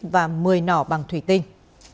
và một mươi nỏ bằng thủy tinh